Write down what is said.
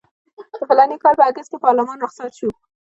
د فلاني کال په اګست کې پارلمان رخصت شو.